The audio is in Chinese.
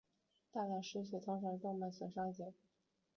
大量失血通常是动脉损伤的结果。